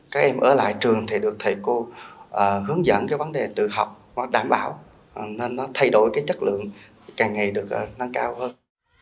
các em ở lại trường thì được thầy cô hướng dẫn cái vấn đề tự học nó đảm bảo nên nó thay đổi cái chất lượng càng ngày được nâng cao hơn